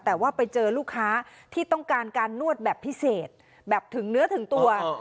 แต่ว่าไปเจอลูกค้าที่ต้องการการนวดแบบพิเศษแบบถึงเนื้อถึงตัว